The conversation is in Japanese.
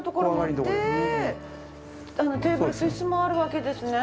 テーブルと椅子もあるわけですね。